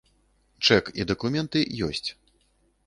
Чэк і дакументы ёсць.